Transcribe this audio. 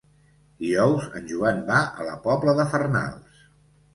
Dijous en Joan va a la Pobla de Farnals.